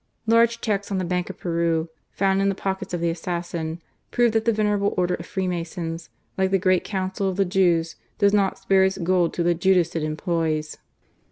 Large cheques on the Bank of Peru, found in the pockets of the assassin, proved that the venerable Order of Freemasons, like the Great Council of the Jews, does not spare its gold to the Judas it employs.